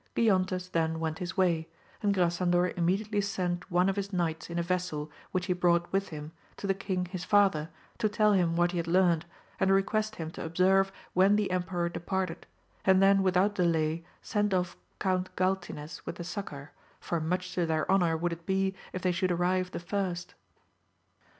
Giontes then went his way, and Grasandor immedi ately sent one of his knights in a vessel which he brought with him, to the king his father, to tell him what he had learnt, and request him to observe when the emperor departed, and then without delay send off Count Galtines with the succour, for much to their honour would it be if they should arrive the first.